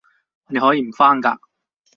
你可以唔返㗎